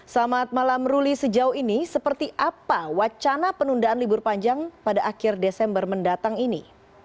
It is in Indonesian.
selamat malam ruli sejauh ini seperti apa wacana penundaan libur panjang pada akhir desember mendatang ini